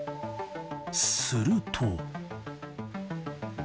すると。